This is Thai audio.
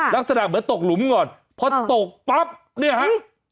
ลักษณะเหมือนตกหลุมอย่างน้อยเพราะตกปั๊บนี่ค่ะ